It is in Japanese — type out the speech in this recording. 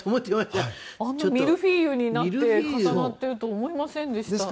あんなミルフィーユになって重なってると思いませんでした。